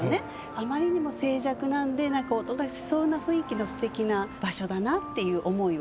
あまりにも静寂なんでなんか音がしそうな雰囲気の素敵な場所だなっていう思いを。